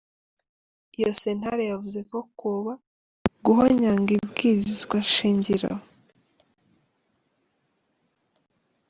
Iyo sentare yavuze ko kwoba "guhonyanga ibwirizwa shingiro".